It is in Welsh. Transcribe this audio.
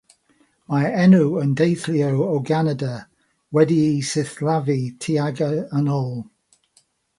Mae'r enw yn deillio o Ganada, wedi'i sillafu tuag yn ôl.